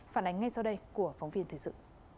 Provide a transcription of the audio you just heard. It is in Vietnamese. phản ánh ngay sau đây của phóng viên thời sự